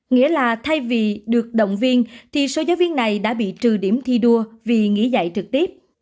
nghĩa là thay vì được động viên thì số giáo viên này đã bị trừ điểm thi đua vì nghỉ dạy trực tiếp